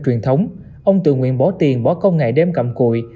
truyền thống ông tự nguyện bỏ tiền bỏ công nghệ đêm cặm cụi